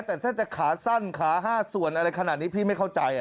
แต่ถ้าจะขาสั้นขา๕ส่วนอะไรขนาดนี้พี่ไม่เข้าใจ